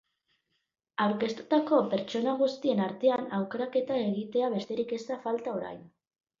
Aurkeztutako pertsona guztien artean aukeraketa egitea besterik ez da falta orain.